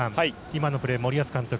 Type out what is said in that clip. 今のプレー、森保監督